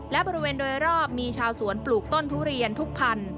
และบริเวณโดยรอบมีชาวสวนปลูกต้นทุเรียนทุกพัน